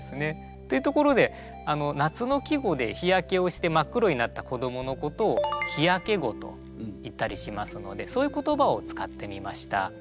っていうところで夏の季語で日焼けをして真っ黒になった子どものことを「日焼け子」といったりしますのでそういう言葉を使ってみました。